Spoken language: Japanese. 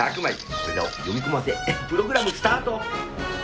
これらを読み込ませプログラムスタート。